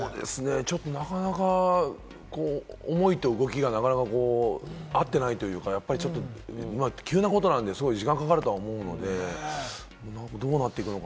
ちょっとなかなか動きが思いが合ってないというか、急なことなんで、時間かかると思うので、どうなっていくのか？